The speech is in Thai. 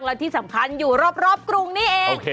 และที่สำคัญอยู่รอบกรุงนี่เอง